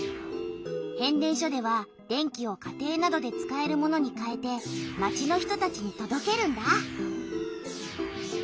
変電所では電気を家庭などで使えるものにかえて町の人たちにとどけるんだ。